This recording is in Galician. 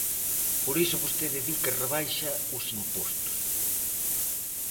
Por iso vostede di que rebaixa os impostos.